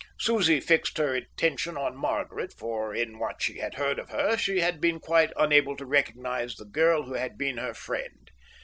Susie fixed her attention on Margaret, for in what she had heard of her she had been quite unable to recognize the girl who had been her friend.